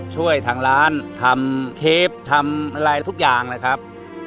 ช่วยทางร้านทำเทปทำอะไรทุกอย่างเลยครับ